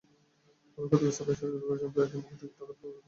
তবে ক্ষতিগ্রস্ত ব্যবসায়ীরা দাবি করেছেন প্রায় তিন কোটি টাকার ক্ষয়ক্ষতি হয়েছে।